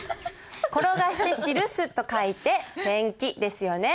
「転がして記す」と書いて転記ですよね。